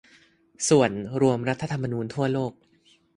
ส่วน รวมรัฐธรรมนูญทั่วโลก